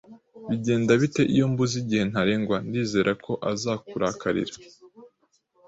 "Bigenda bite iyo mbuze igihe ntarengwa?" "Ndizera ko azakurakarira!"